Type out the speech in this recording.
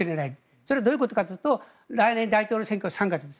それはどういうことかというと来年の大統領選挙は３月です。